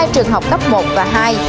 hai trường học cấp một và hai